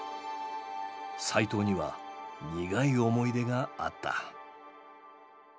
齋藤には苦い思い出があった。